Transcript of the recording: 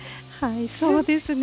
そうですね。